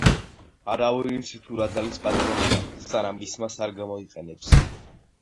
„არავინ იცის თუ რა ძალის პატრონია, სანამ ის მას არ გამოიყენებს.”